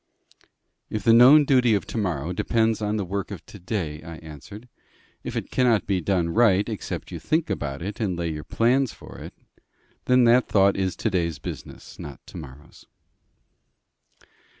"If the known duty of to morrow depends on the work of to day," I answered, "if it cannot be done right except you think about it and lay your plans for it, then that thought is to day's business, not to morrow's."